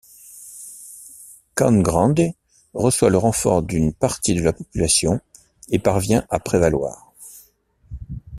Cangrande reçoit le renfort d'une partie de la population et parvient à prévaloir.